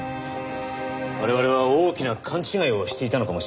我々は大きな勘違いをしていたのかもしれません。